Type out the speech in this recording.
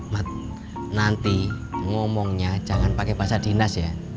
mas nanti ngomongnya jangan pakai bahasa dinas ya